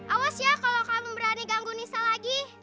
awas ya kalau kamu berani ganggu nisa lagi